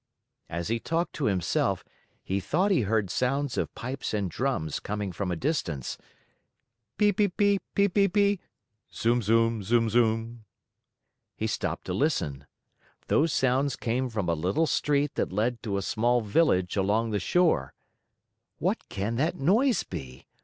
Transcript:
As he talked to himself, he thought he heard sounds of pipes and drums coming from a distance: pi pi pi, pi pi pi. . .zum, zum, zum, zum. He stopped to listen. Those sounds came from a little street that led to a small village along the shore. "What can that noise be?